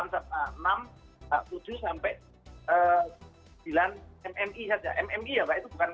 mmi ya mbak itu bukan skala amplitude